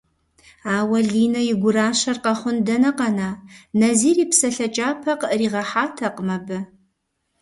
Ауэ Линэ и гуращэр къэхъун дэнэ къэна, Назир и псалъэ кӏапэ къыӏэригъэхьатэкъым абы.